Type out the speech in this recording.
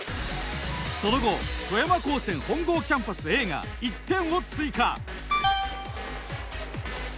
その後富山高専本郷キャンパスＡが１点を追加。